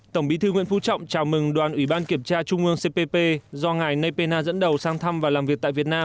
tổng bí thư nguyễn phú trọng chào mừng đoàn ủy ban kiểm tra trung ương cpp do ngài nepenna dẫn đầu sang thăm và làm việc tại việt nam